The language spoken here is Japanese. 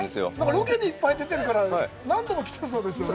ロケにいっぱい出てるから、何度も来てそうですよね？